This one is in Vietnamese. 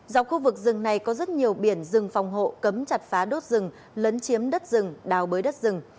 dọc khu vực rừng này có rất nhiều biển rừng phòng hộ cấm chặt phá đốt rừng lấn chiếm đất rừng đào bới đất rừng